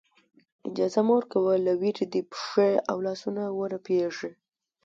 اجازه مه ورکوه له وېرې دې پښې او لاسونه ورپېږي.